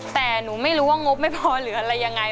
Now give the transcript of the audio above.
แต่หนูไม่รู้ว่างบไม่พอหรืออะไรยังไง